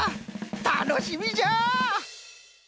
たのしみじゃ！